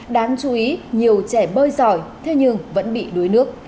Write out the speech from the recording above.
đáng chú ý nhiều trẻ bơi giỏi thế nhưng vẫn bị đuối nước